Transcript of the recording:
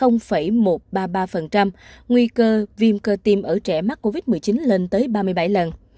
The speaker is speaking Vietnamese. nguy cơ viêm cơ tim ở trẻ mắc covid một mươi chín lên tới ba mươi bảy lần